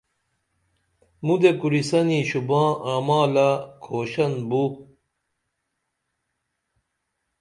مودے کُریسنی شُوباں عمالہ کھوشن بو